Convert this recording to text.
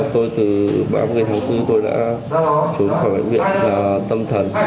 tôi từ ba mươi tháng bốn tôi đã